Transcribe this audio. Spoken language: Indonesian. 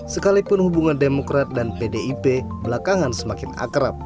sekalipun hubungan demokrat dan pdip belakangan semakin akrab